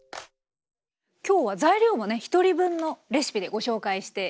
今日は材料もね１人分のレシピでご紹介していきたいと思います。